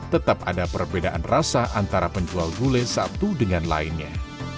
tetap ada perbedaan rasa antara penjual gulai satu dengan lainnya